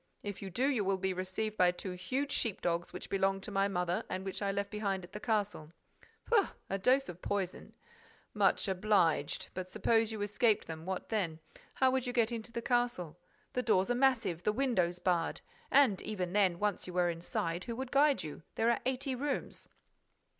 If you do, you will be received by two huge sheep dogs which belonged to my mother and which I left behind at the castle." "Pooh! A dose of poison—" "Much obliged. But suppose you escaped them. What then? How would you get into the castle? The doors are massive, the windows barred. And, even then, once you were inside, who would guide you? There are eighty rooms."